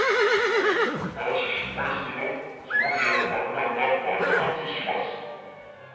ただし失敗するとその部屋の爆弾は爆発します。